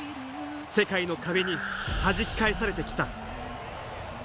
世界の壁にはじき返されてきた。